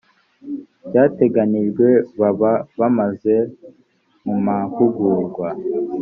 cyateganijwe baba bamaze mu mahugurwa